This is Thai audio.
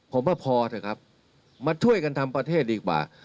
ผมว่าพอเถอะครับมาช่วยกันทำประเทศดีกว่า